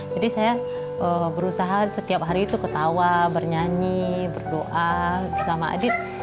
jadi saya berusaha setiap hari itu ketawa bernyanyi berdoa bersama adit